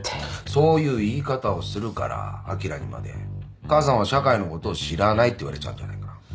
そういう言い方をするからあきらにまで「母さんは社会のことを知らない」って言われちゃうんじゃないか。